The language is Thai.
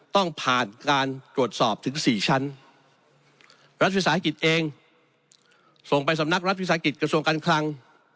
ต้องผ่านการตรวจสอบถึง๔ชั้นรัฐวิสาหกิจเองส่งไปสำนักรัฐวิสาหกิจกระทรวงการคลัง